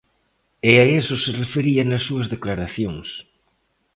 E a iso se refería nas súas declaracións.